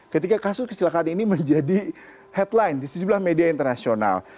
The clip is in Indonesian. ketika kasus kecelakaan ini menjadi headline di sejumlah media internasional